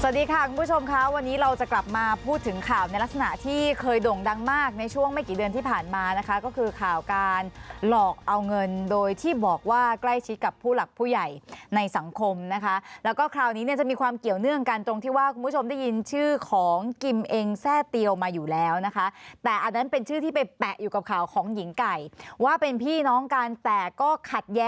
สวัสดีค่ะคุณผู้ชมค่ะวันนี้เราจะกลับมาพูดถึงข่าวในลักษณะที่เคยด่งดังมากในช่วงไม่กี่เดือนที่ผ่านมานะคะก็คือข่าวการหลอกเอาเงินโดยที่บอกว่าใกล้ชิดกับผู้หลักผู้ใหญ่ในสังคมนะคะแล้วก็คราวนี้จะมีความเกี่ยวเนื่องกันตรงที่ว่าคุณผู้ชมได้ยินชื่อของกิมเองแทร่เตียวมาอยู่แล้วนะคะแต่อันนั้นเป็นช